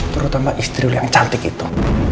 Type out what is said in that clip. terutama istri yang cantik itu